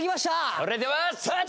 それではスタート！